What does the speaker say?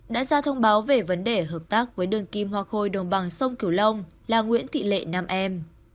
đã ra thông báo về vấn đề hợp tác với đường kim hoa khôi đồng bằng sông cửu long là nguyễn thị lệ nam em